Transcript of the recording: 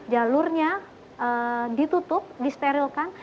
jalurnya ditutup disterilkan